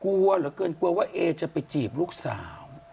กลัวเหลือเกินกลัวว่าเอจะไปจีบลูกสาว